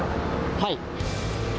はい。